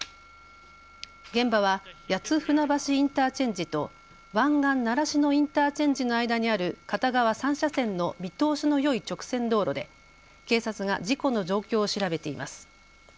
現場は谷津船橋インターチェンジと湾岸習志野インターチェンジの間にある片側３車線の見通しのよい直線道路で警察が事故の状況を調べています。